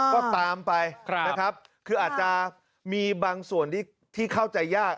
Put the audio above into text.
ก็ตามไปนะครับคืออาจจะมีบางส่วนที่เข้าใจยาก